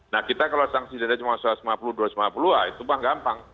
nah kita kalau sanksi denda cuma soal lima puluh dua ratus lima puluh itu mah gampang